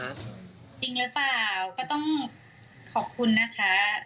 จริงหรือเปล่าก็ต้องขอบคุณนะคะ